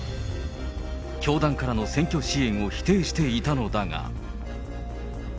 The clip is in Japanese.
教団からの選挙支援を否定していたのだが。